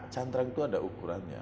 cantrang itu ada ukurannya